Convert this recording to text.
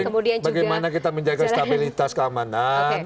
yang penting bagaimana kita menjaga stabilitas keamanan